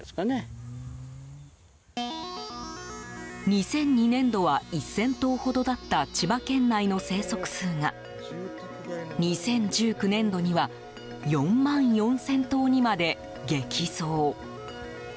２００２年度は１０００頭ほどだった千葉県内の生息数が２０１９年度には４万４０００頭にまで激増。